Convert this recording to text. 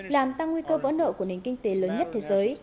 làm tăng nguy cơ vỡ nợ của nền kinh tế lớn nhất thế giới